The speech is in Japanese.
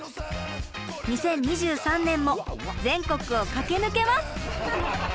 ２０２３年も全国を駆け抜けます！